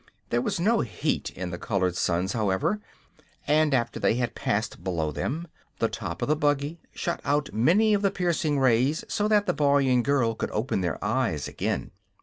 There was no heat in the colored suns, however, and after they had passed below them the top of the buggy shut out many of the piercing rays so that the boy and girl could open their eyes again.